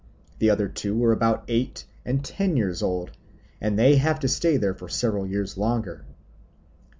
The other two were about eight and ten years old, and they have to stay there for several years longer."